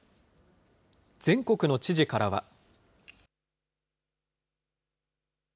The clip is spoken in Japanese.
全国の知事からは。